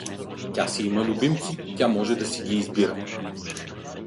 Тя си има любимци, тя може да си ги избира.